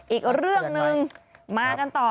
อีกเรื่องนึงมากันต่อ